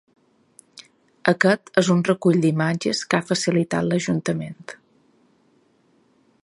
Aquest és un recull d’imatges que ha facilitat l’ajuntament.